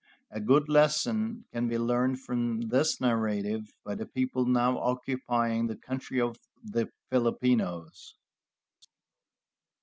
A good lesson can be learned from this narrative by the people now occupying the country of the Filipinos.